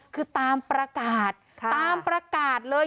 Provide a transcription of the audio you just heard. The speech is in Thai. คือตามประกาศตามประกาศเลย